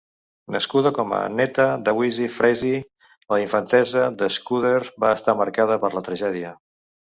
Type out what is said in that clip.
Nascuda com a Netta Deweze Frazee, la infantesa d'Scudder va estar marcada per la tragèdia.